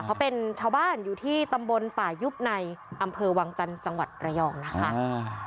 เขาเป็นชาวบ้านอยู่ที่ตำบลป่ายุบในอำเภอวังจันทร์จังหวัดระยองนะคะ